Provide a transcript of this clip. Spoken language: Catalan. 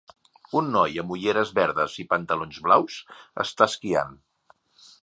Un noi amb ulleres verdes i pantalons blaus està esquiant.